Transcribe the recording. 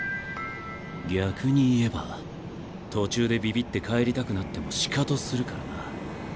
逆に言えば途中でビビって帰りたくなってもシカトするからな。